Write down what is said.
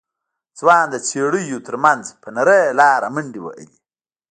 ځوان د څېړيو تر منځ په نرۍ لاره منډې وهلې.